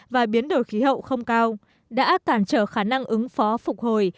và biến đổi khí hậu không cao đã tàn trở khả năng ứng phó phục hồi